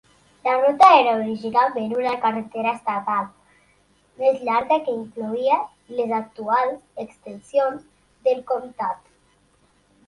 La ruta era originalment una carretera estatal més llarga que incloïa les actuals extensions del comtat.